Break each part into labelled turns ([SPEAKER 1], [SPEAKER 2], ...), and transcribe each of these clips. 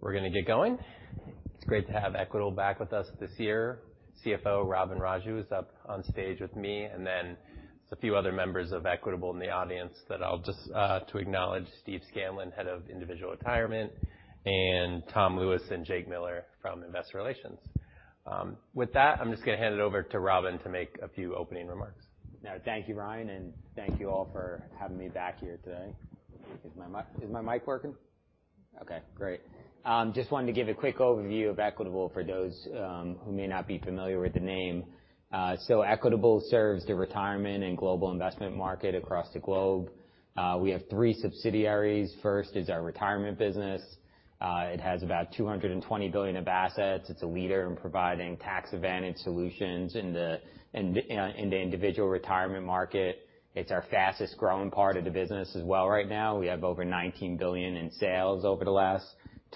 [SPEAKER 1] We're going to get going. It's great to have Equitable back with us this year. Chief Financial Officer Robin Raju is up on stage with me, and then there's a few other members of Equitable in the audience to acknowledge Steve Scanlon, Head of Individual Retirement, and Tom Lewis and Jake Miller from investor relations. I'm just going to hand it over to Robin to make a few opening remarks.
[SPEAKER 2] Thank you, Ryan, and thank you all for having me back here today. Is my mic working? Okay, great. Just wanted to give a quick overview of Equitable for those who may not be familiar with the name. Equitable serves the retirement and global investment market across the globe. We have three subsidiaries. First is our retirement business. It has about $220 billion of assets. It's a leader in providing tax-advantaged solutions in the individual retirement market. It's our fastest-growing part of the business as well right now. We have over $19 billion in sales over the last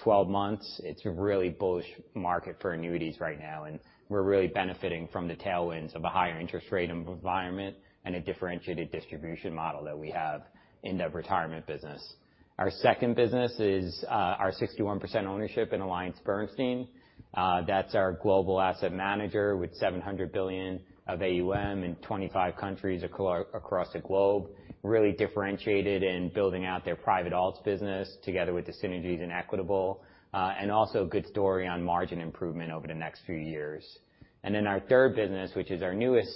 [SPEAKER 2] 12 months. It's a really bullish market for annuities right now, and we're really benefiting from the tailwinds of a higher interest rate environment and a differentiated distribution model that we have in the retirement business. Our second business is our 61% ownership in AllianceBernstein. That's our global asset manager with $700 billion of AUM in 25 countries across the globe. Really differentiated in building out their private alts business together with the synergies in Equitable. Also a good story on margin improvement over the next few years. Our third business, which is our newest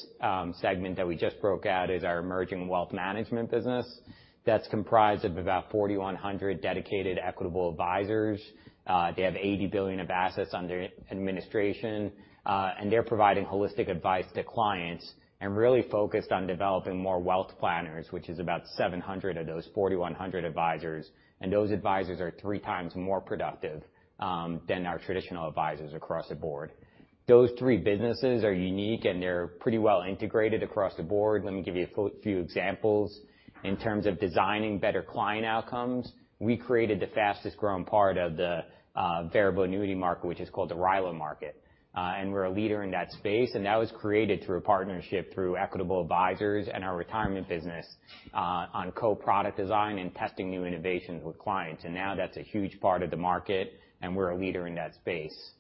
[SPEAKER 2] segment that we just broke out, is our emerging wealth management business. That's comprised of about 4,100 dedicated Equitable Advisors. They have $80 billion of assets under administration. They're providing holistic advice to clients and really focused on developing more wealth planners, which is about 700 of those 4,100 advisors. Those advisors are three times more productive than our traditional advisors across the board. Those three businesses are unique, and they're pretty well integrated across the board. Let me give you a few examples. In terms of designing better client outcomes, we created the fastest-growing part of the variable annuity market, which is called the RILA market. We're a leader in that space, and that was created through a partnership through Equitable Advisors and our retirement business on co-product design and testing new innovations with clients. Now that's a huge part of the market, and we're a leader in that space.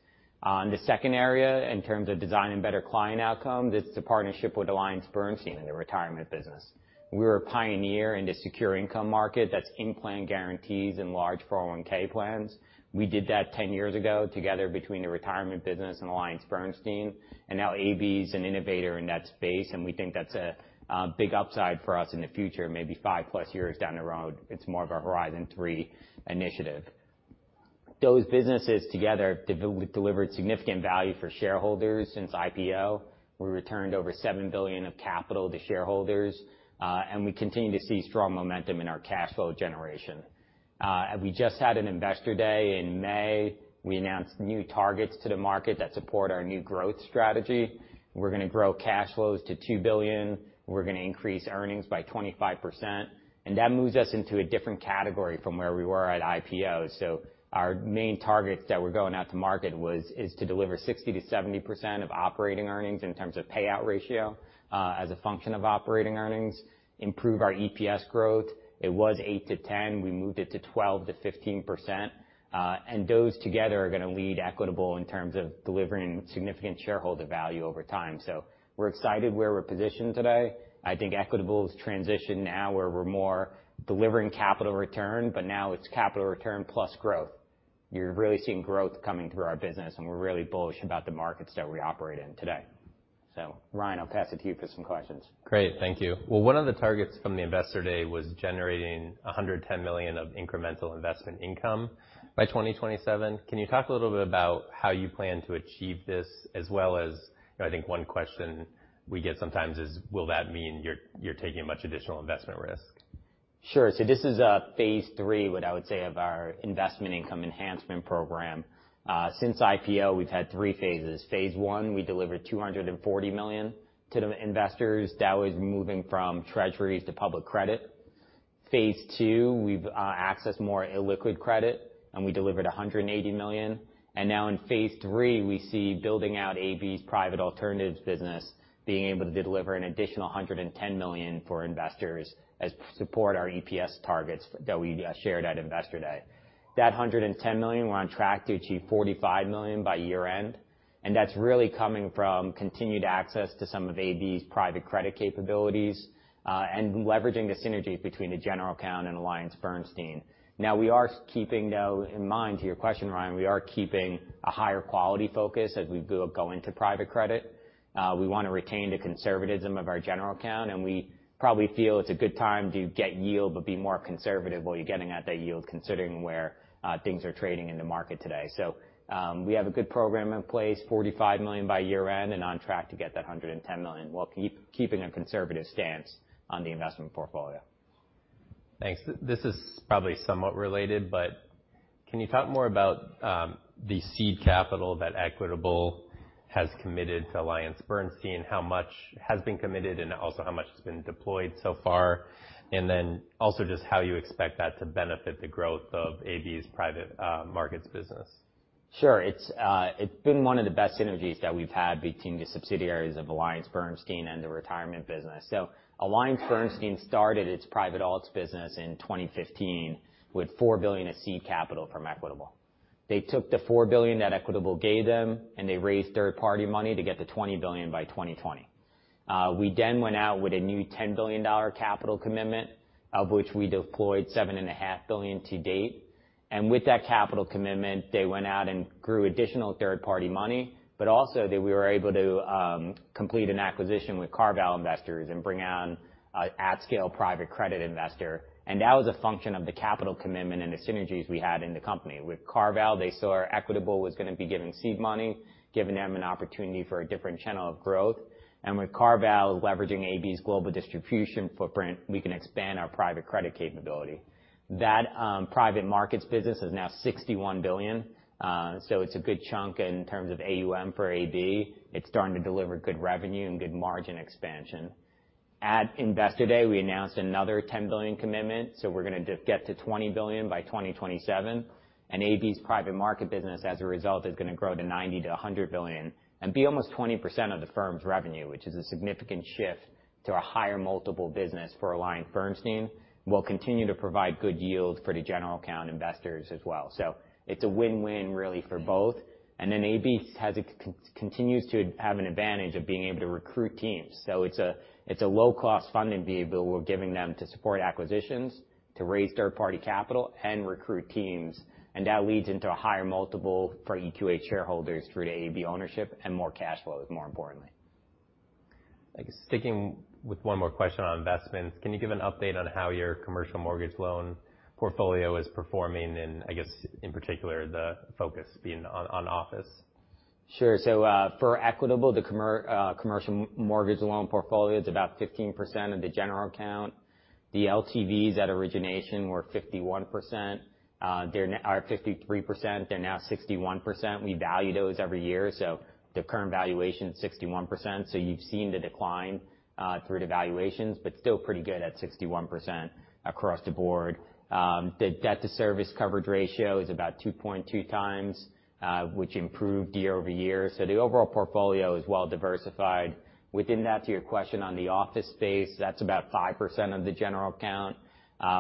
[SPEAKER 2] The second area, in terms of designing better client outcome, this is a partnership with AllianceBernstein in the retirement business. We're a pioneer in the secure income market that's in-plan guarantees and large 401 plans. We did that 10 years ago together between the retirement business and AllianceBernstein, now AB is an innovator in that space, and we think that's a big upside for us in the future, maybe five-plus years down the road. It's more of a Horizon three initiative. Those businesses together have delivered significant value for shareholders since IPO. We returned over $7 billion of capital to shareholders, and we continue to see strong momentum in our cash flow generation. We just had an Investor Day in May. We announced new targets to the market that support our new growth strategy. We're going to grow cash flows to $2 billion. We're going to increase earnings by 25%, and that moves us into a different category from where we were at IPO. Our main targets that we're going out to market is to deliver 60%-70% of operating earnings in terms of payout ratio, as a function of operating earnings, improve our EPS growth. It was 8%-10%. We moved it to 12%-15%. Those together are going to lead Equitable in terms of delivering significant shareholder value over time. We're excited where we're positioned today. I think Equitable's transition now where we're more delivering capital return, but now it's capital return plus growth. You're really seeing growth coming through our business, and we're really bullish about the markets that we operate in today. Ryan, I'll pass it to you for some questions.
[SPEAKER 1] Great. Thank you. One of the targets from the Investor Day was generating $110 million of incremental investment income by 2027. Can you talk a little bit about how you plan to achieve this as well as I think one question we get sometimes is will that mean you're taking much additional investment risk?
[SPEAKER 2] Sure. This is phase 3, what I would say, of our investment income enhancement program. Since IPO, we've had 3 phases. Phase 1, we delivered $240 million to the investors. That was moving from treasuries to public credit. Phase 2, we've accessed more illiquid credit, and we delivered $180 million. In phase 3, we see building out AB's private alternatives business being able to deliver an additional $110 million for investors as support our EPS targets that we shared at Investor Day. That $110 million, we're on track to achieve $45 million by year-end, and that's really coming from continued access to some of AB's private credit capabilities, and leveraging the synergy between the general account and AllianceBernstein. We are keeping though in mind, to your question, Ryan, we are keeping a higher quality focus as we go into private credit. We want to retain the conservatism of our general account. We probably feel it's a good time to get yield but be more conservative while you're getting at that yield, considering where things are trading in the market today. We have a good program in place, $45 million by year-end. On track to get that $110 million while keeping a conservative stance on the investment portfolio.
[SPEAKER 1] Thanks. This is probably somewhat related. Can you talk more about the seed capital that Equitable has committed to AllianceBernstein, how much has been committed, how much has been deployed so far, and how you expect that to benefit the growth of AB's private markets business?
[SPEAKER 2] Sure. It's been one of the best synergies that we've had between the subsidiaries of AllianceBernstein and the retirement business. AllianceBernstein started its private alts business in 2015 with $4 billion of seed capital from Equitable. They took the $4 billion that Equitable gave them. They raised third-party money to get to $20 billion by 2020. We went out with a new $10 billion capital commitment, of which we deployed $7.5 billion to date. With that capital commitment, they went out and grew additional third-party money. Also, we were able to complete an acquisition with CarVal Investors and bring on an at-scale private credit investor. That was a function of the capital commitment and the synergies we had in the company. With CarVal, they saw Equitable was going to be given seed money, giving them an opportunity for a different channel of growth. With CarVal leveraging AB's global distribution footprint, we can expand our private credit capability. That private markets business is now $61 billion. It's a good chunk in terms of AUM for AB. It's starting to deliver good revenue and good margin expansion. At Investor Day, we announced another $10 billion commitment. We're going to get to $20 billion by 2027. AB's private market business, as a result, is going to grow to $90 billion-$100 billion and be almost 20% of the firm's revenue, which is a significant shift to a higher multiple business for AllianceBernstein. Will continue to provide good yield for the general account investors as well. It's a win-win really for both. AB continues to have an advantage of being able to recruit teams. It's a low-cost funding vehicle we're giving them to support acquisitions, to raise third-party capital, recruit teams, and that leads into a higher multiple for EQH shareholders through the AB ownership and more cash flows, more importantly.
[SPEAKER 1] Sticking with one more question on investments, can you give an update on how your commercial mortgage loan portfolio is performing, I guess, in particular, the focus being on office?
[SPEAKER 2] Sure. For Equitable, the commercial mortgage loan portfolio is about 15% of the general account. The LTVs at origination were 53%, they're now 61%. We value those every year, so the current valuation is 61%, so you've seen the decline through the valuations, but still pretty good at 61% across the board. The debt-to-service coverage ratio is about 2.2 times, which improved year-over-year. The overall portfolio is well diversified. Within that, to your question on the office space, that's about 5% of the general account.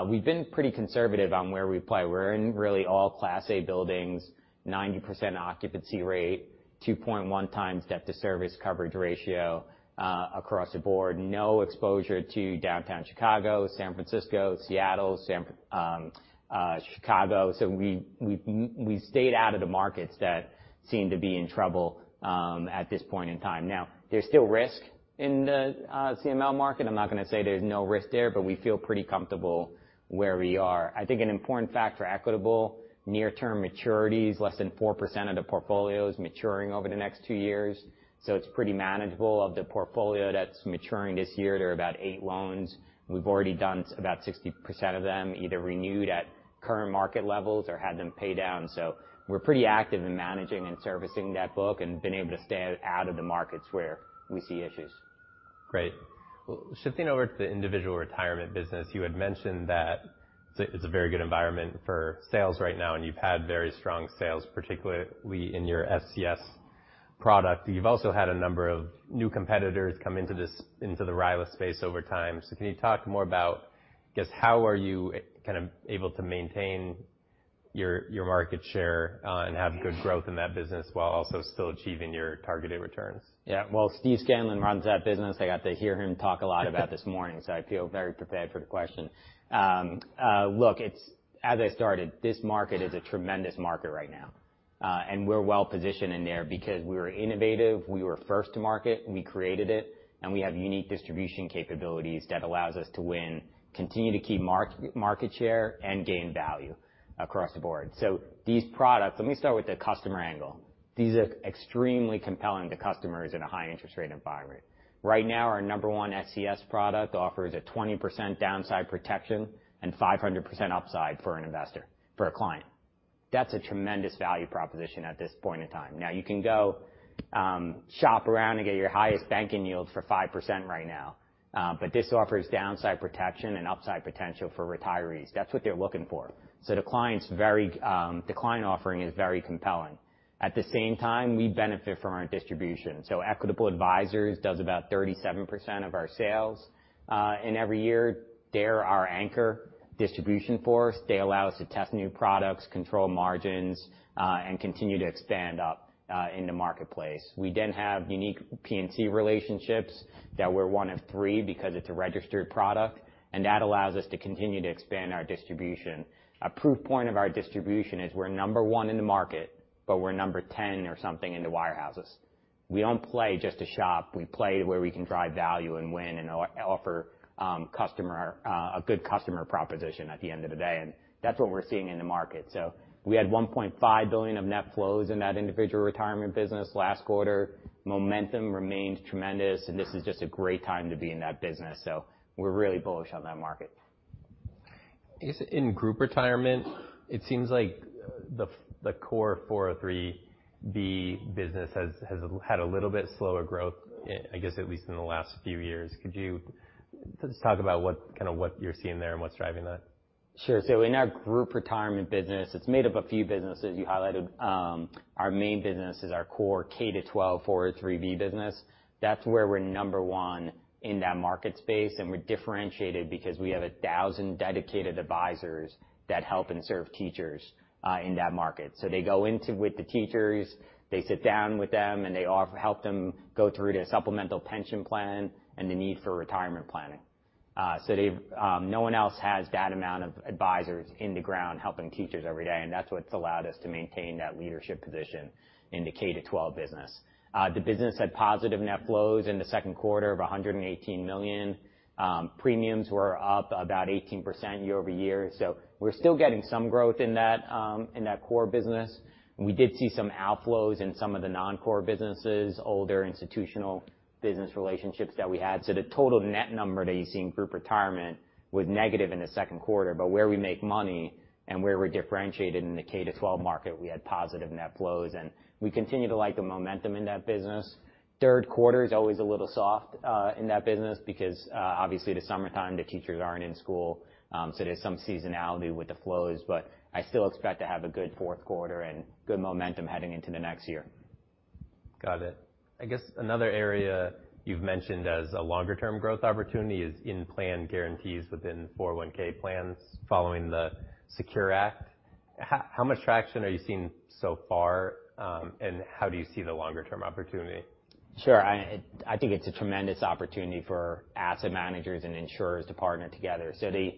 [SPEAKER 2] We've been pretty conservative on where we play. We're in really all class A buildings, 90% occupancy rate, 2.1 times debt-to-service coverage ratio across the board. No exposure to Downtown Chicago, San Francisco, Seattle, Chicago. We stayed out of the markets that seem to be in trouble at this point in time. There's still risk in the CML market. I'm not going to say there's no risk there, we feel pretty comfortable where we are. I think an important fact for Equitable, near-term maturities, less than 4% of the portfolio is maturing over the next two years, so it's pretty manageable. Of the portfolio that's maturing this year, there are about eight loans, we've already done about 60% of them, either renewed at current market levels or had them pay down. We're pretty active in managing and servicing that book and been able to stay out of the markets where we see issues.
[SPEAKER 1] Great. Shifting over to the individual retirement business, you had mentioned that it's a very good environment for sales right now, and you've had very strong sales, particularly in your SCS product. You've also had a number of new competitors come into the RILA space over time. Can you talk more about how are you able to maintain your market share and have good growth in that business while also still achieving your targeted returns?
[SPEAKER 2] Well, Steve Scanlon runs that business. I got to hear him talk a lot about it this morning, so I feel very prepared for the question. Look, as I started, this market is a tremendous market right now. We're well-positioned in there because we were innovative, we were first to market, we created it, and we have unique distribution capabilities that allows us to win, continue to keep market share, and gain value across the board. These products, let me start with the customer angle. These are extremely compelling to customers in a high interest rate environment. Right now, our number one SCS product offers a 20% downside protection and 500% upside for an investor, for a client. That's a tremendous value proposition at this point in time. Now, you can go shop around and get your highest banking yield for 5% right now. This offers downside protection and upside potential for retirees. That's what they're looking for. The client offering is very compelling. At the same time, we benefit from our distribution. Equitable Advisors does about 37% of our sales. Every year, they're our anchor distribution force. They allow us to test new products, control margins, and continue to expand up in the marketplace. We have unique P&C relationships that we're one of three because it's a registered product, and that allows us to continue to expand our distribution. A proof point of our distribution is we're number one in the market, but we're number 10 or something in the wirehouses. We don't play just to shop. We play where we can drive value and win and offer a good customer proposition at the end of the day. That's what we're seeing in the market. We had $1.5 billion of net flows in that individual retirement business last quarter. Momentum remains tremendous, this is just a great time to be in that business. We're really bullish on that market.
[SPEAKER 1] I guess in group retirement, it seems like the core 403(b) business has had a little bit slower growth, I guess, at least in the last few years. Could you just talk about what you're seeing there and what's driving that?
[SPEAKER 2] Sure. In our Group Retirement business, it's made up a few businesses. You highlighted our main business is our core K-12 403(b) business. That's where we're number one in that market space, and we're differentiated because we have 1,000 dedicated advisors that help and serve teachers in that market. They go in with the teachers, they sit down with them, and they help them go through their supplemental pension plan and the need for retirement planning. No one else has that amount of advisors in the ground helping teachers every day, and that's what's allowed us to maintain that leadership position in the K-12 business. The business had positive net flows in the second quarter of $118 million. Premiums were up about 18% year-over-year, we're still getting some growth in that core business. We did see some outflows in some of the non-core businesses, older institutional business relationships that we had. The total net number that you see in Group Retirement was negative in the second quarter. Where we make money and where we're differentiated in the K-12 market, we had positive net flows, and we continue to like the momentum in that business. Third quarter is always a little soft in that business because, obviously, the summertime, the teachers aren't in school. There's some seasonality with the flows, I still expect to have a good fourth quarter and good momentum heading into the next year.
[SPEAKER 1] Got it. I guess another area you've mentioned as a longer-term growth opportunity is in-plan guarantees within 401(k) plans following the SECURE Act. How much traction are you seeing so far, and how do you see the longer-term opportunity?
[SPEAKER 2] Sure. I think it's a tremendous opportunity for asset managers and insurers to partner together. The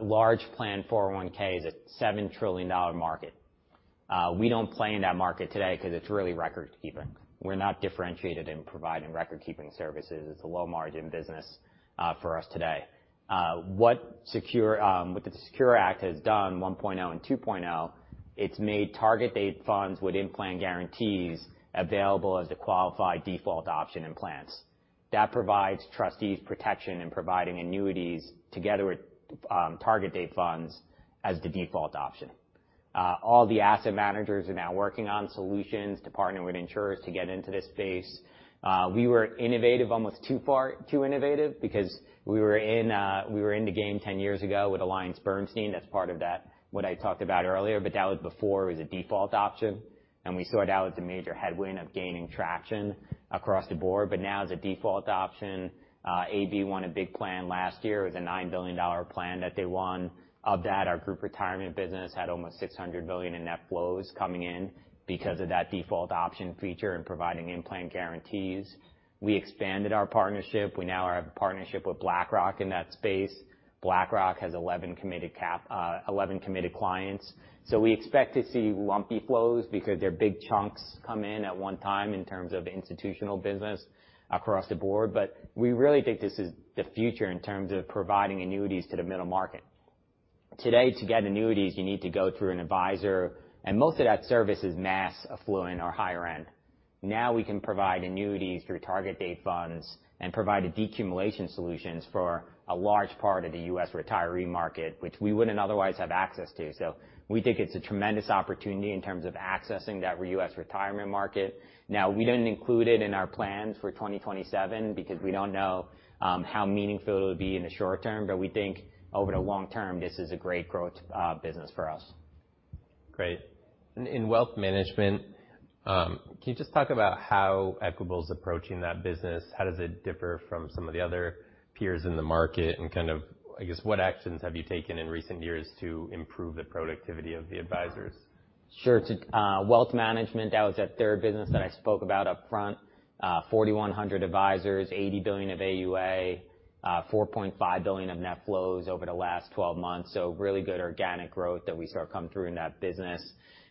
[SPEAKER 2] large plan 401 is a $7 trillion market. We don't play in that market today because it's really record keeping. We're not differentiated in providing record-keeping services. It's a low margin business for us today. What the SECURE Act has done, 1.0 and 2.0, it's made target date funds with in-plan guarantees available as the qualified default option in plans. That provides trustees protection in providing annuities together with target date funds as the default option. All the asset managers are now working on solutions to partner with insurers to get into this space. We were innovative, almost too innovative because we were in the game 10 years ago with AllianceBernstein. That's part of what I talked about earlier, but that was before it was a default option, and we saw it as a major headwind of gaining traction across the board. Now as a default option, AB won a big plan last year. It was a $9 billion plan that they won. Of that, our Group Retirement business had almost $600 million in net flows coming in because of that default option feature and providing in-plan guarantees. We expanded our partnership. We now have a partnership with BlackRock in that space. BlackRock has 11 committed clients. We expect to see lumpy flows because their big chunks come in at one time in terms of institutional business across the board. We really think this is the future in terms of providing annuities to the middle market. Today, to get annuities, you need to go through an advisor, and most of that service is mass affluent or higher end. Now we can provide annuities through target date funds and provide decumulation solutions for a large part of the U.S. retiree market, which we wouldn't otherwise have access to. We think it's a tremendous opportunity in terms of accessing that U.S. retirement market. Now, we didn't include it in our plans for 2027 because we don't know how meaningful it'll be in the short term, but we think over the long term, this is a great growth business for us.
[SPEAKER 1] Great. In wealth management, can you just talk about how Equitable is approaching that business? How does it differ from some of the other peers in the market, and I guess what actions have you taken in recent years to improve the productivity of the advisors?
[SPEAKER 2] Sure. Wealth management, that was that third business that I spoke about up front. 4,100 advisors, $80 billion of AUA, $4.5 billion of net flows over the last 12 months. Really good organic growth that we saw come through in that business.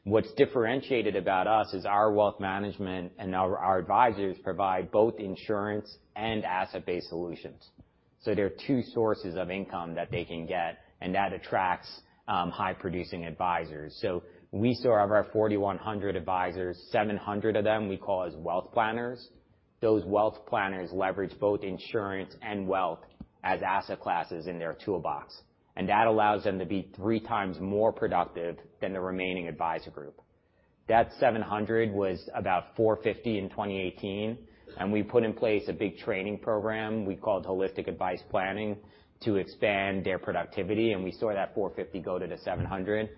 [SPEAKER 2] What's differentiated about us is our wealth management and our advisors provide both insurance and asset-based solutions. There are two sources of income that they can get, and that attracts high-producing advisors. We still have our 4,100 advisors, 700 of them we call as wealth planners. Those wealth planners leverage both insurance and wealth as asset classes in their toolbox, and that allows them to be three times more productive than the remaining advisor group. That 700 was about 450 in 2018. We put in place a big training program we called Holistic Advice Planning to expand their productivity. We saw that 450 go to the 700.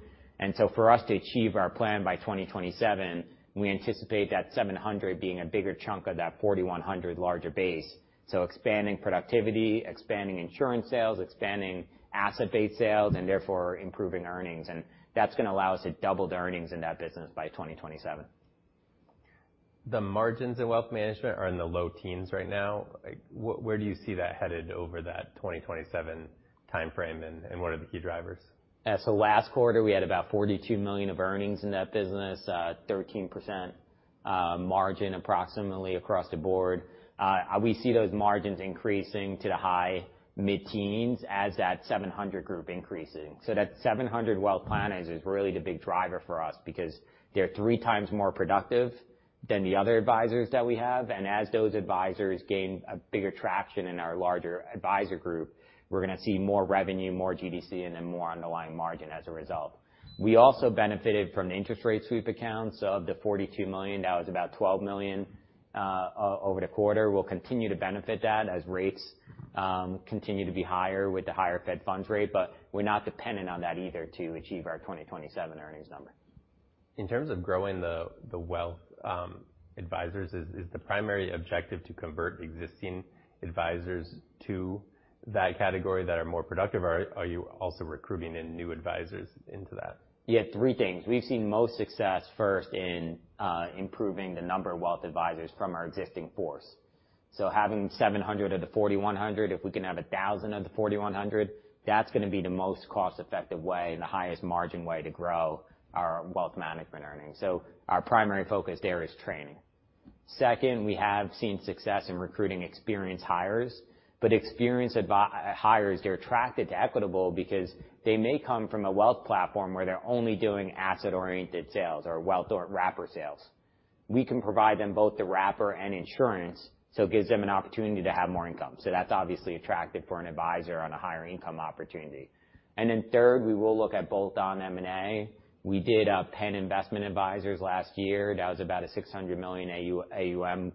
[SPEAKER 2] For us to achieve our plan by 2027, we anticipate that 700 being a bigger chunk of that 4,100 larger base. Expanding productivity, expanding insurance sales, expanding asset-based sales, and therefore improving earnings. That's going to allow us to double the earnings in that business by 2027.
[SPEAKER 1] The margins in wealth management are in the low teens right now. Where do you see that headed over that 2027 time frame, and what are the key drivers?
[SPEAKER 2] Last quarter, we had about $42 million of earnings in that business, 13% margin approximately across the board. We see those margins increasing to the high mid-teens as that 700 group increases. That 700 wealth planners is really the big driver for us because they're three times more productive than the other advisors that we have. As those advisors gain a bigger traction in our larger advisor group, we're going to see more revenue, more GDC, and more underlying margin as a result. We also benefited from the interest rate sweep accounts. Of the $42 million, that was about $12 million over the quarter. We'll continue to benefit that as rates continue to be higher with the higher Fed funds rate. We're not dependent on that either to achieve our 2027 earnings number.
[SPEAKER 1] In terms of growing the wealth advisors, is the primary objective to convert existing advisors to that category that are more productive, or are you also recruiting in new advisors into that?
[SPEAKER 2] Yeah, three things. We've seen most success first in improving the number of wealth advisors from our existing force. Having 700 of the 4,100, if we can have 1,000 of the 4,100, that's going to be the most cost-effective way and the highest margin way to grow our wealth management earnings. Our primary focus there is training. Second, we have seen success in recruiting experienced hires, experienced hires, they're attracted to Equitable because they may come from a wealth platform where they're only doing asset-oriented sales or wealth wrapper sales. We can provide them both the wrapper and insurance, it gives them an opportunity to have more income. That's obviously attractive for an advisor on a higher income opportunity. Third, we will look at bolt-on M&A. We did Penn Investment Advisors last year. That was about a $600 million AUM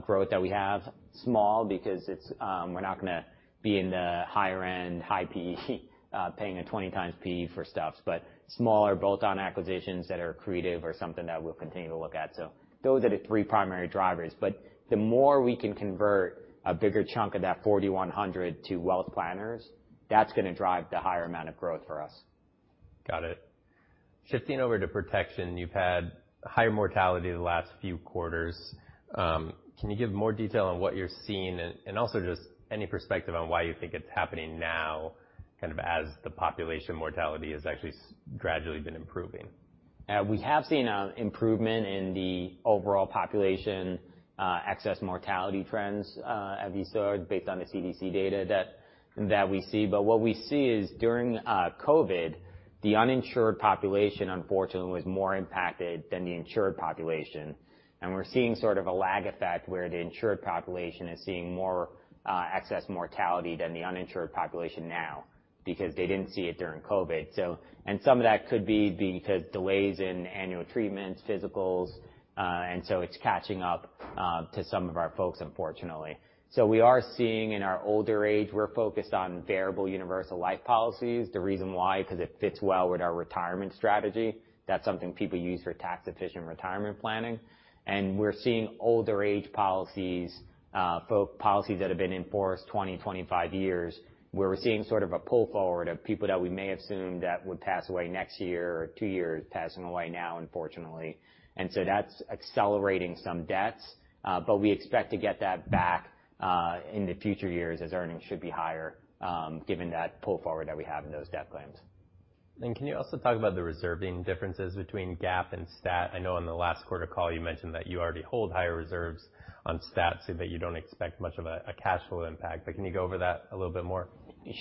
[SPEAKER 2] growth that we have. Small, because we're not going to be in the higher end, high PE, paying a 20 times PE for stuff. Smaller bolt-on acquisitions that are accretive are something that we'll continue to look at. Those are the three primary drivers, the more we can convert a bigger chunk of that 4,100 to wealth planners, that's going to drive the higher amount of growth for us.
[SPEAKER 1] Got it. Shifting over to protection, you've had higher mortality the last few quarters. Can you give more detail on what you're seeing, and also just any perspective on why you think it's happening now, as the population mortality has actually gradually been improving?
[SPEAKER 2] What we have seen is an improvement in the overall population excess mortality trends as you saw based on the CDC data that we see. What we see is during COVID, the uninsured population, unfortunately, was more impacted than the insured population. We're seeing sort of a lag effect where the insured population is seeing more excess mortality than the uninsured population now because they didn't see it during COVID. Some of that could be because delays in annual treatments, physicals, and it's catching up to some of our folks, unfortunately. We are seeing in our older age, we're focused on Variable Universal Life policies. The reason why, because it fits well with our retirement strategy. That's something people use for tax-efficient retirement planning. We're seeing older age policies that have been in force 20, 25 years, where we're seeing sort of a pull forward of people that we may assume that would pass away next year or two years, passing away now, unfortunately. That's accelerating some deaths. But we expect to get that back in the future years as earnings should be higher given that pull forward that we have in those death claims.
[SPEAKER 1] Can you also talk about the reserving differences between GAAP and STAT? I know on the last quarter call you mentioned that you already hold higher reserves on STAT, so that you don't expect much of a cash flow impact. Can you go over that a little bit more?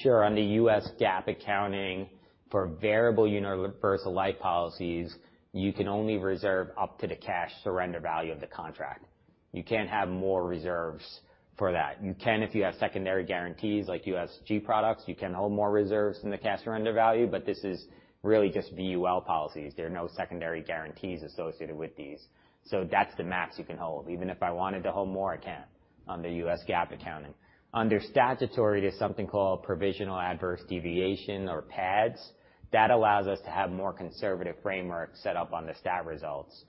[SPEAKER 2] Sure. Under US GAAP accounting for Variable Universal Life policies, you can only reserve up to the cash surrender value of the contract. You can't have more reserves for that. You can if you have secondary guarantees like USG products, you can hold more reserves than the cash surrender value, but this is really just VUL policies. There are no secondary guarantees associated with these. That's the max you can hold. Even if I wanted to hold more, I can't under US GAAP accounting. Under statutory, there's something called Provision for Adverse Deviation or PADs. That allows us to have more conservative framework set up on the STAT results.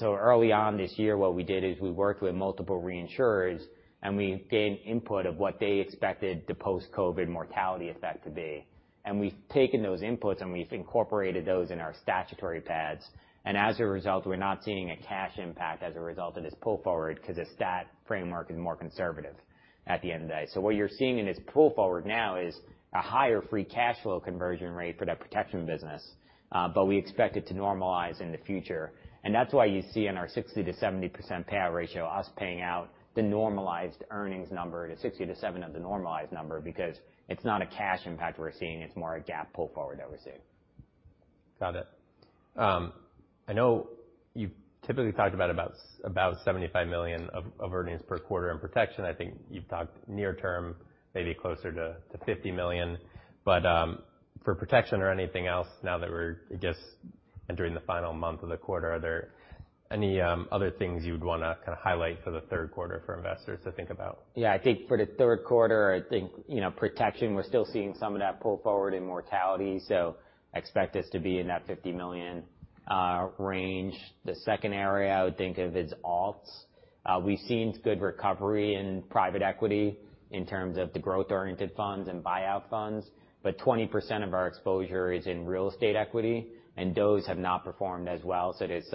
[SPEAKER 2] Early on this year, what we did is we worked with multiple reinsurers, and we gained input of what they expected the post-COVID mortality effect to be. We've taken those inputs, we've incorporated those in our statutory PADs. As a result, we're not seeing a cash impact as a result of this pull forward because the STAT framework is more conservative at the end of the day. What you're seeing in this pull forward now is a higher free cash flow conversion rate for that protection business. We expect it to normalize in the future. That's why you see in our 60%-70% payout ratio, us paying out the normalized earnings number to 60 to 70 of the normalized number, because it's not a cash impact we're seeing, it's more a GAAP pull forward that we're seeing.
[SPEAKER 1] Got it. I know you've typically talked about $75 million of earnings per quarter in protection. I think you've talked near term, maybe closer to $50 million. For protection or anything else now that we're just entering the final month of the quarter, are there any other things you would want to highlight for the third quarter for investors to think about?
[SPEAKER 2] I think for the third quarter, I think protection, we're still seeing some of that pull forward in mortality. Expect us to be in that $50 million range. The second area I would think of is alts. We've seen good recovery in private equity in terms of the growth-oriented funds and buyout funds, 20% of our exposure is in real estate equity, and those have not performed as well. There's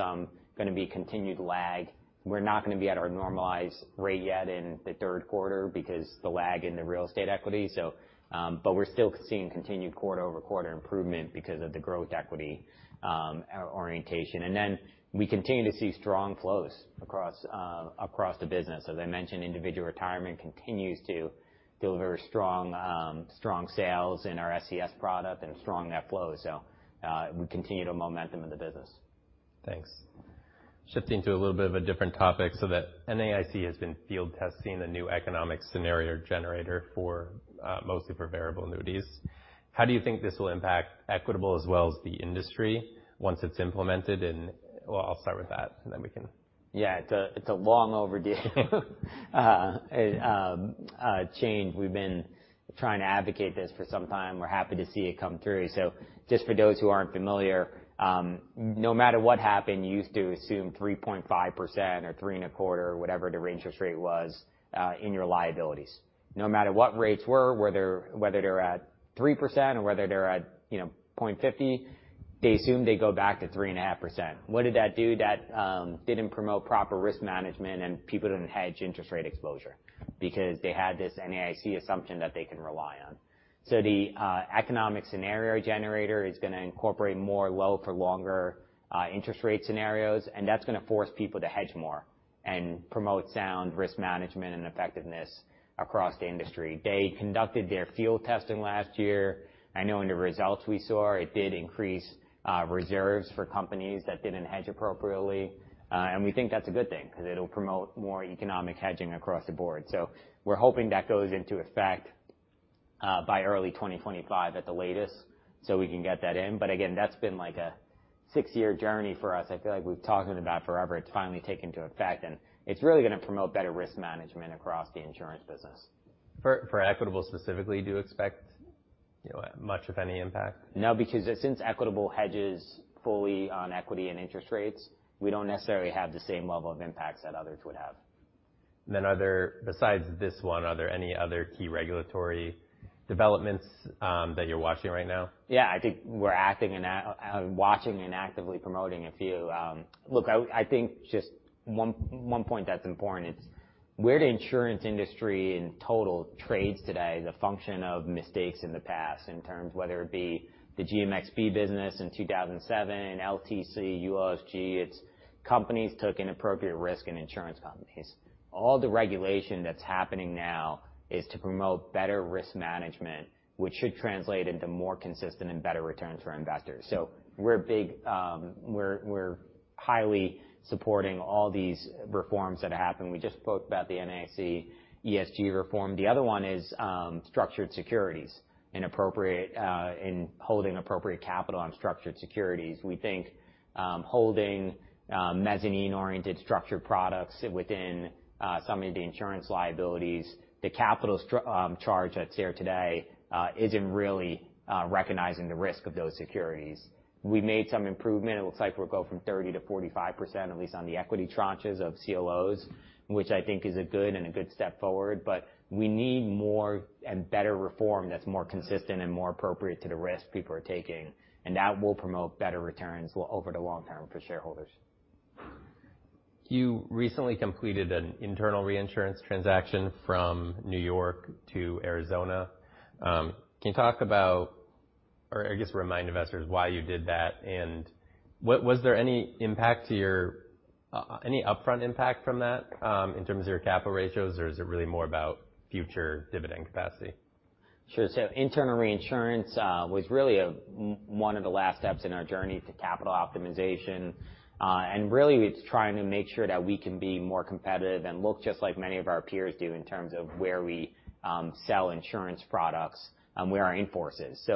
[SPEAKER 2] going to be continued lag. We're not going to be at our normalized rate yet in the third quarter because of the lag in the real estate equity. We're still seeing continued quarter-over-quarter improvement because of the growth equity orientation. We continue to see strong flows across the business. As I mentioned, Individual Retirement continues to deliver strong sales in our SCS product and strong net flow. We continue the momentum of the business.
[SPEAKER 1] Thanks. Shifting to a little bit of a different topic. The NAIC has been field testing a new economic scenario generator mostly for variable annuities. How do you think this will impact Equitable as well as the industry once it's implemented?
[SPEAKER 2] Yeah. It's a long overdue change. We've been trying to advocate this for some time. We're happy to see it come through. Just for those who aren't familiar, no matter what happened, you used to assume 3.5% or three and a quarter, whatever the range or rate was, in your liabilities. No matter what rates were, whether they're at 3% or whether they're at 0.50%, they assume they go back to 3.5%. What did that do? That didn't promote proper risk management, and people didn't hedge interest rate exposure because they had this NAIC assumption that they can rely on. The economic scenario generator is going to incorporate more low for longer interest rate scenarios, and that's going to force people to hedge more and promote sound risk management and effectiveness across the industry. They conducted their field testing last year. I know in the results we saw, it did increase reserves for companies that didn't hedge appropriately. We think that's a good thing because it'll promote more economic hedging across the board. We're hoping that goes into effect by early 2025 at the latest so we can get that in. Again, that's been like a six-year journey for us. I feel like we've talked about it forever. It's finally taking effect, and it's really going to promote better risk management across the insurance business.
[SPEAKER 1] For Equitable specifically, do you expect much of any impact?
[SPEAKER 2] No, because since Equitable hedges fully on equity and interest rates, we don't necessarily have the same level of impacts that others would have.
[SPEAKER 1] Besides this one, are there any other key regulatory developments that you're watching right now?
[SPEAKER 2] I think we're watching and actively promoting a few. I think just one point that's important, it's where the insurance industry in total trades today is a function of mistakes in the past in terms of whether it be the GMXB business in 2007, LTC, USG. Companies took inappropriate risk in insurance companies. All the regulation that's happening now is to promote better risk management, which should translate into more consistent and better returns for investors. We're highly supporting all these reforms that happened. We just spoke about the NAIC ESG reform. The other one is structured securities and holding appropriate capital on structured securities. We think holding mezzanine-oriented structured products within some of the insurance liabilities, the capital charge that's there today isn't really recognizing the risk of those securities. We made some improvement. It looks like we'll go from 30% to 45%, at least on the equity tranches of CLOs, which I think is a good step forward. We need more and better reform that's more consistent and more appropriate to the risk people are taking, and that will promote better returns over the long term for shareholders.
[SPEAKER 1] You recently completed an internal reinsurance transaction from New York to Arizona. Can you talk about, or I guess remind investors why you did that, and was there any upfront impact from that in terms of your capital ratios, or is it really more about future dividend capacity?
[SPEAKER 2] Sure. Internal reinsurance was really one of the last steps in our journey to capital optimization. Really, it's trying to make sure that we can be more competitive and look just like many of our peers do in terms of where we sell insurance products and where our in-force is.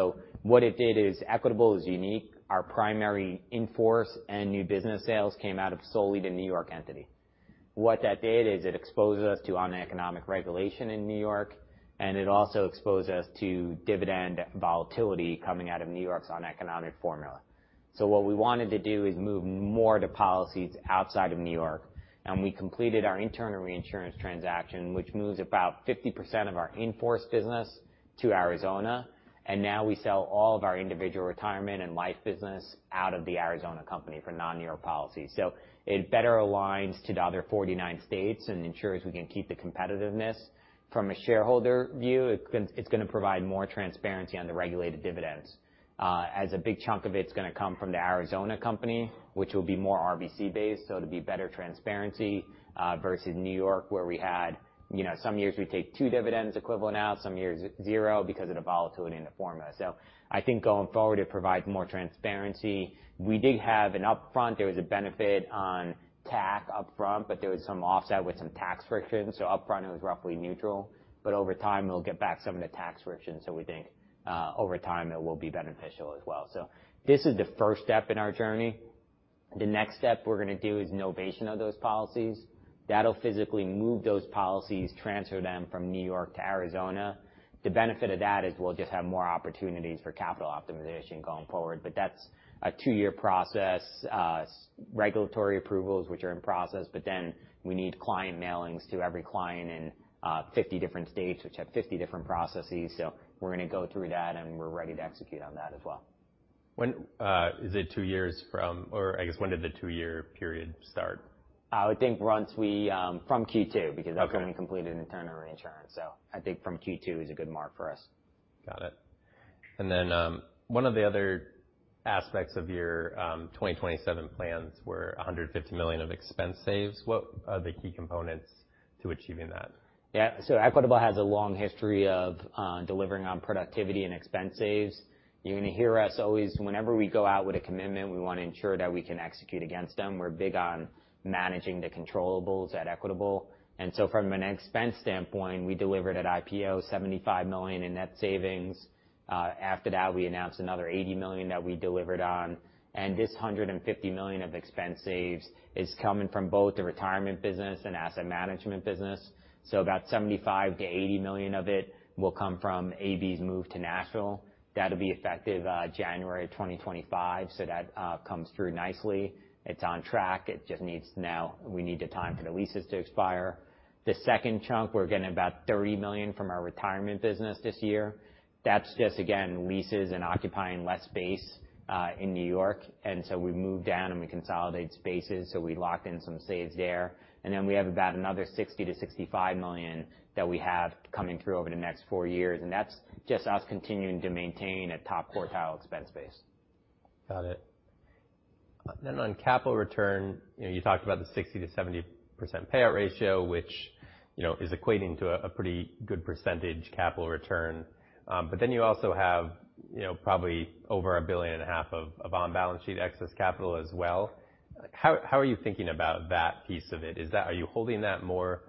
[SPEAKER 2] What it did is Equitable is unique. Our primary in-force and new business sales came out of solely the New York entity. What that did is it exposed us to uneconomic regulation in New York. It also exposed us to dividend volatility coming out of New York's uneconomic formula. What we wanted to do is move more to policies outside of New York. We completed our internal reinsurance transaction, which moves about 50% of our in-force business to Arizona. Now we sell all of our individual retirement and life business out of the Arizona company for non-New York policies. It better aligns to the other 49 states and ensures we can keep the competitiveness. From a shareholder view, it's going to provide more transparency on the regulated dividends as a big chunk of it's going to come from the Arizona company, which will be more RBC based. It'll be better transparency, versus New York where we had some years we take two dividends equivalent out, some years zero because of the volatility in the formula. I think going forward, it provides more transparency. We did have an upfront, there was a benefit on TAC upfront, but there was some offset with some tax friction. Upfront, it was roughly neutral, but over time, we'll get back some of the tax friction. We think over time, it will be beneficial as well. This is the first step in our journey. The next step we're going to do is novation of those policies. That'll physically move those policies, transfer them from New York to Arizona. The benefit of that is we'll just have more opportunities for capital optimization going forward. That's a two-year process. Regulatory approvals, which are in process, but then we need client mailings to every client in 50 different states which have 50 different processes. We're going to go through that. We're ready to execute on that as well.
[SPEAKER 1] Is it 2 years from, or I guess when did the 2-year period start?
[SPEAKER 2] I would think from Q2 because-
[SPEAKER 1] Okay
[SPEAKER 2] That's when we completed internal reinsurance. I think from Q2 is a good mark for us.
[SPEAKER 1] Got it. One of the other aspects of your 2027 plans were $150 million of expense saves. What are the key components to achieving that?
[SPEAKER 2] Yeah. Equitable has a long history of delivering on productivity and expense saves. You are going to hear us always, whenever we go out with a commitment, we want to ensure that we can execute against them. We are big on managing the controllables at Equitable. From an expense standpoint, we delivered at IPO $75 million in net savings. After that, we announced another $80 million that we delivered on. This $150 million of expense saves is coming from both the retirement business and asset management business. About $75 million-$80 million of it will come from AB's move to Nashville. That will be effective January 2025, so that comes through nicely. It is on track. We need the time for the leases to expire. The second chunk, we are getting about $30 million from our retirement business this year. That is just, again, leases and occupying less space in New York. We have moved down, and we consolidated spaces, so we locked in some saves there. We have about another $60 million-$65 million that we have coming through over the next four years. That is just us continuing to maintain a top quartile expense base.
[SPEAKER 1] Got it. On capital return, you talked about the 60%-70% payout ratio, which is equating to a pretty good percentage capital return. You also have probably over $1.5 billion of on-balance-sheet excess capital as well. How are you thinking about that piece of it? Are you holding that more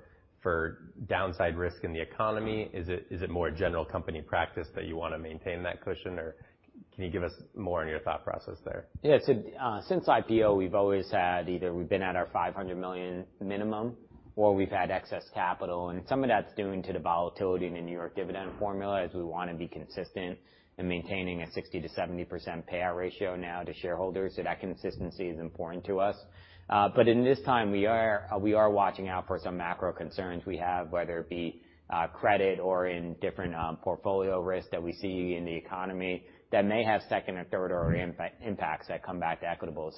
[SPEAKER 1] for downside risk in the economy? Is it more a general company practice that you want to maintain that cushion, or can you give us more on your thought process there?
[SPEAKER 2] Yeah. Since IPO, we have always had either we have been at our $500 million minimum, or we have had excess capital, and some of that is due to the volatility in the New York dividend formula, as we want to be consistent in maintaining a 60%-70% payout ratio now to shareholders, that consistency is important to us. In this time, we are watching out for some macro concerns we have, whether it be credit or in different portfolio risks that we see in the economy that may have second- or third-order impacts that come back to Equitable.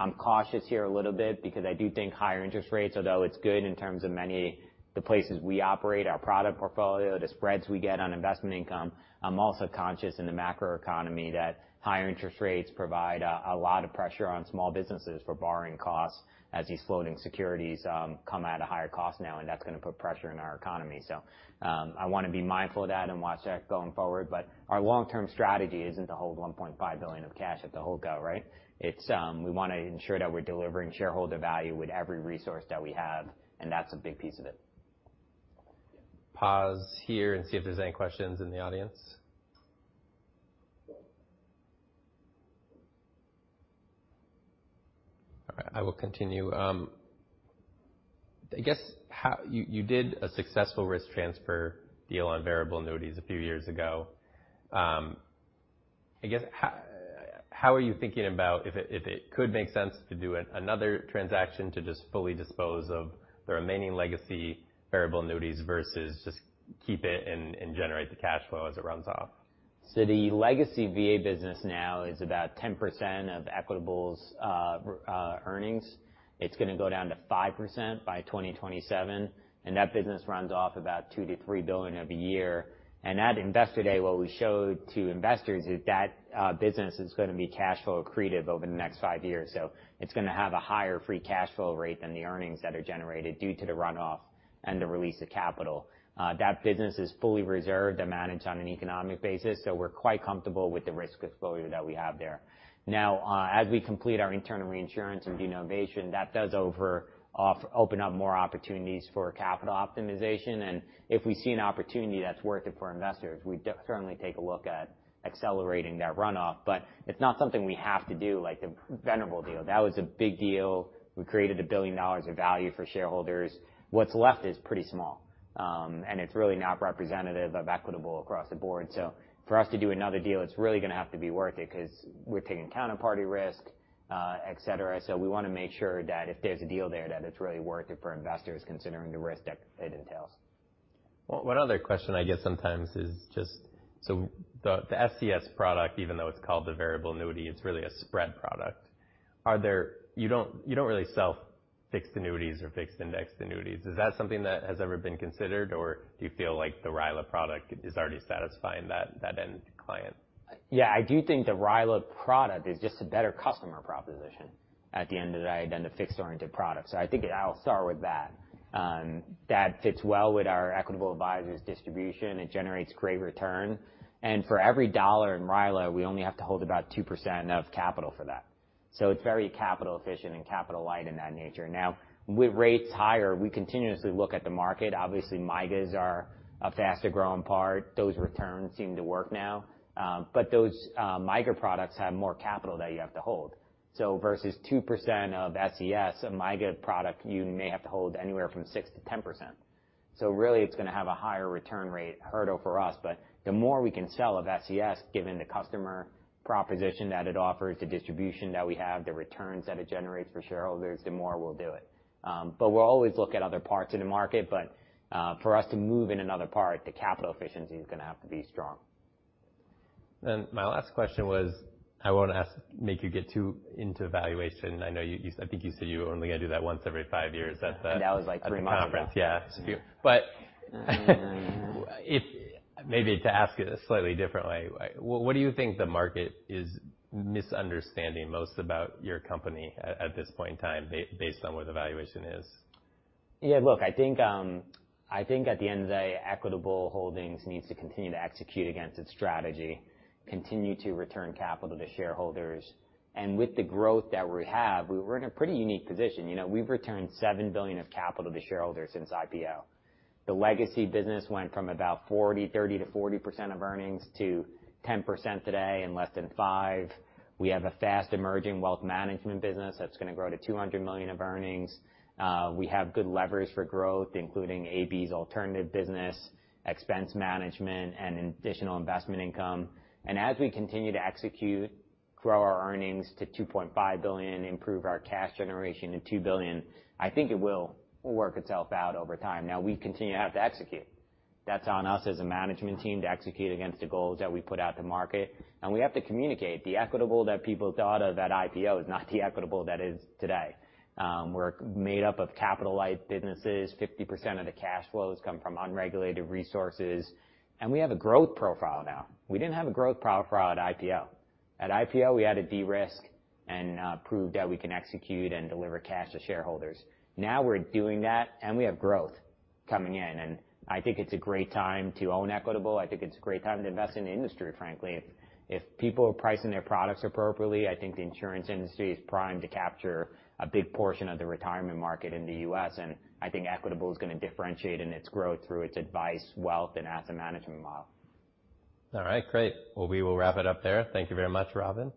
[SPEAKER 2] I'm cautious here a little bit because I do think higher interest rates, although it's good in terms of many the places we operate, our product portfolio, the spreads we get on investment income, I'm also conscious in the macroeconomy that higher interest rates provide a lot of pressure on small businesses for borrowing costs as these floating securities come at a higher cost now, and that's going to put pressure on our economy. I want to be mindful of that and watch that going forward. Our long-term strategy isn't to hold $1.5 billion of cash at the holdco, right. It's we want to ensure that we're delivering shareholder value with every resource that we have, and that's a big piece of it.
[SPEAKER 1] Pause here and see if there's any questions in the audience. All right, I will continue. I guess you did a successful risk transfer deal on variable annuities a few years ago. I guess, how are you thinking about if it could make sense to do another transaction to just fully dispose of the remaining legacy variable annuities versus just keep it and generate the cash flow as it runs off?
[SPEAKER 2] The legacy VA business now is about 10% of Equitable's earnings. It's going to go down to 5% by 2027, and that business runs off about $2 billion-$3 billion every year. At Investor Day, what we showed to investors is that business is going to be cash flow accretive over the next five years. It's going to have a higher free cash flow rate than the earnings that are generated due to the runoff and the release of capital. That business is fully reserved and managed on an economic basis, so we're quite comfortable with the risk exposure that we have there. As we complete our internal reinsurance and novation, that does open up more opportunities for capital optimization, and if we see an opportunity that's worth it for investors, we'd certainly take a look at accelerating that runoff. It's not something we have to do, like the Venerable deal. That was a big deal. We created $1 billion of value for shareholders. What's left is pretty small, and it's really not representative of Equitable across the board. For us to do another deal, it's really going to have to be worth it because we're taking counterparty risk, et cetera. We want to make sure that if there's a deal there, that it's really worth it for investors considering the risk that it entails.
[SPEAKER 1] One other question I get sometimes is just, the SCS product, even though it's called the variable annuity, it's really a spread product. You don't really sell fixed annuities or fixed indexed annuities. Is that something that has ever been considered, or do you feel like the RILA product is already satisfying that end client?
[SPEAKER 2] Yeah, I do think the RILA product is just a better customer proposition at the end of the day than the fixed-oriented product. I think I'll start with that. That fits well with our Equitable Advisors distribution. It generates great return. For every dollar in RILA, we only have to hold about 2% of capital for that. It's very capital efficient and capital light in that nature. Now, with rates higher, we continuously look at the market. Obviously, MYGAs are a faster-growing part. Those returns seem to work now. Those MYGA products have more capital that you have to hold. Versus 2% of SCS, a MYGA product you may have to hold anywhere from 6%-10%. Really it's going to have a higher return rate hurdle for us. The more we can sell of SCS, given the customer proposition that it offers, the distribution that we have, the returns that it generates for shareholders, the more we'll do it. We'll always look at other parts of the market, but for us to move in another part, the capital efficiency is going to have to be strong.
[SPEAKER 1] My last question was, I won't ask make you get too into valuation. I know you said, I think you said you were only going to do that once every five years.
[SPEAKER 2] That was like three months ago
[SPEAKER 1] conference, yeah. Maybe to ask it a slightly different way, what do you think the market is misunderstanding most about your company at this point in time based on where the valuation is?
[SPEAKER 2] Yeah, look, I think at the end of the day, Equitable Holdings needs to continue to execute against its strategy, continue to return capital to shareholders. With the growth that we have, we're in a pretty unique position. We've returned $7 billion of capital to shareholders since IPO. The legacy business went from about 30%-40% of earnings to 10% today and less than five. We have a fast emerging wealth management business that's going to grow to $200 million of earnings. We have good levers for growth, including AB's alternative business, expense management, and additional investment income. As we continue to execute, grow our earnings to $2.5 billion, improve our cash generation to $2 billion, I think it will work itself out over time. Now we continue to have to execute. That's on us as a management team to execute against the goals that we put out to market. We have to communicate. The Equitable that people thought of at IPO is not the Equitable that is today. We're made up of capital-light businesses. 50% of the cash flows come from unregulated resources, and we have a growth profile now. We didn't have a growth profile at IPO. At IPO, we had to de-risk and prove that we can execute and deliver cash to shareholders. Now we're doing that, and we have growth coming in, and I think it's a great time to own Equitable. I think it's a great time to invest in the industry, frankly. If people are pricing their products appropriately, I think the insurance industry is primed to capture a big portion of the retirement market in the U.S., and I think Equitable is going to differentiate in its growth through its advice, wealth, and asset management model.
[SPEAKER 1] All right. Great. We will wrap it up there. Thank you very much, Robin.